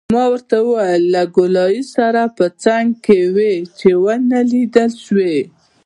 ما ورته وویل: له ګولایي سره په څنګ کې وې، چې ونه لیدل شوې.